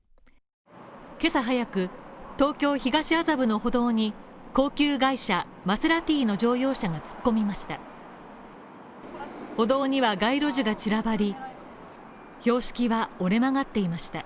今朝早く、東京東麻布の歩道に高級外車マセラティの乗用車が突っ込みました。